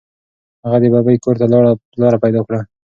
هغه د ببۍ کور ته لاره پیدا کړه.